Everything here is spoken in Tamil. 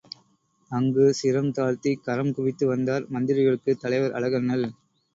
அங்கு சிரம் தாழ்த்திக் கரம் குவித்து வந்தார் மந்திரிகளுக்குத் தலைவர், அழகண்ணல்.